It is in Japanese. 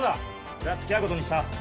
俺はつきあうことにした。